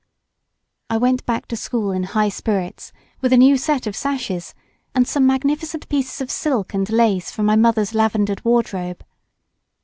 I went back to school in high spirits with a new set of sashes and some magnificent pieces of silk and lace from my mother's lavendered wardrobe.